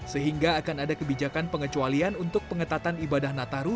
sehingga akan ada kebijakan pengecualian untuk pengetatan ibadah nataru